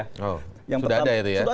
sudah ada itu ya